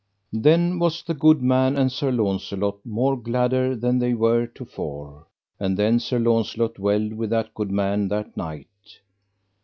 Then was the good man and Sir Launcelot more gladder than they were to fore. And then Sir Launcelot dwelled with that good man that night.